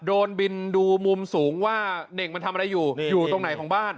โดนบินดูมุมสูงว่าเน่งมันทำอะไรอยู่อยู่ตรงไหนของบ้าน